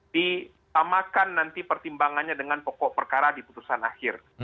ditamakan nanti pertimbangannya dengan pokok perkara di putusan akhir